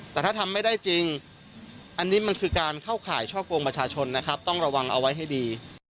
แต่ถ้าทำไม่ได้จริงอันนี้มันคือการเข้าข่ายช่อกงประชาชนนะครับต้องระวังเอาไว้ให้ดี